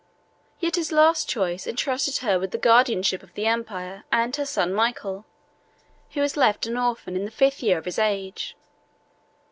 Yet his last choice intrusted her with the guardianship of the empire and her son Michael, who was left an orphan in the fifth year of his age.